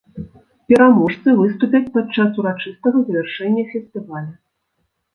Пераможцы выступяць падчас урачыстага завяршэння фестываля.